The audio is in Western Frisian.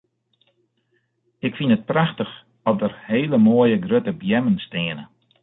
Ik fyn it prachtich at der hele moaie grutte beammen steane.